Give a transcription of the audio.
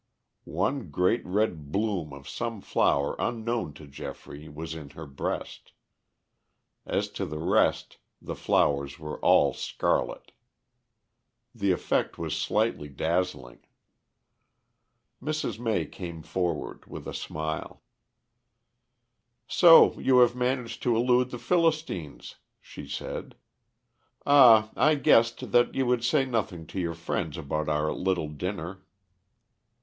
One great red bloom of some flower unknown to Geoffrey was in her breast. As to the rest, the flowers were all scarlet. The effect was slightly dazzling. Mrs. May came forward with a smile. "So you have managed to elude the Philistines," she said. "Ah, I guessed that you would say nothing to your friends about our little dinner."